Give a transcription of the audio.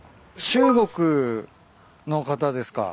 中国の方ですか。